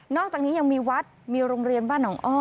อกจากนี้ยังมีวัดมีโรงเรียนบ้านหนองอ้อ